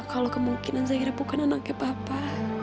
kalau kemungkinan zaira bukan anaknya papa